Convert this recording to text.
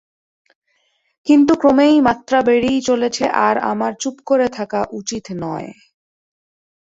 কিন্তু, ক্রমেই মাত্রা বেড়েই চলেছে, আর আমার চুপ করে থাকা উচিত নয়।